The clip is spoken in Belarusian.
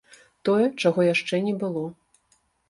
Тое, чаго яшчэ не было.